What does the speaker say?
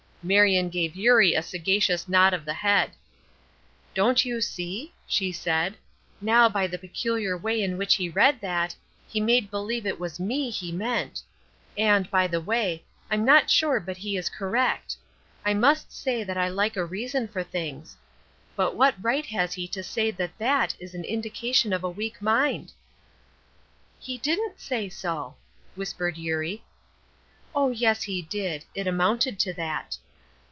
Marion gave Eurie a sagacious nod of the head. "Don't you see?" she said. "Now, by the peculiar way in which he read that, he made believe it was me he meant. And, by the way, I'm not sure but he is correct. I must say that I like a reason for things. But what right has he to say that that is an indication of a weak mind?" "He didn't say so," whispered Eurie. "Oh, yes he did; it amounted to that.